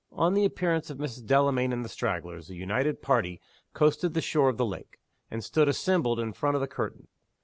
On the appearance of Mrs. Delamayn and the stragglers, the united party coasted the shore of the lake, and stood assembled in front of the curtain.